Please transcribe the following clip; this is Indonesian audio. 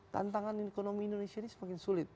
tantangan ekonomi indonesia ini semakin sulit